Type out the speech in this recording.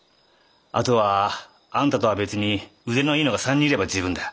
あとはあんたとは別に腕のいいのが３人いれば十分だ。